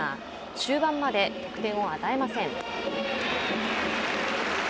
中盤まで得点を与えません。